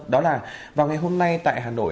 đó là vào ngày hôm nay tại hà nội